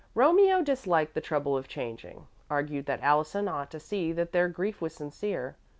Romeo, disliking the trouble of changing, argued that Allison ought to see that their grief was sincere.